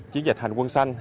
chiến dịch hành quân sanh